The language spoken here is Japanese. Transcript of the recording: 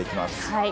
はい。